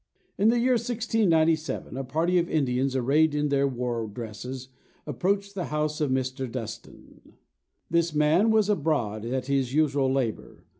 In the year 1697, a party of Indians, arrayed in their war dresses, approached the house of Mr. Dustan. This man was abroad at his usual labour.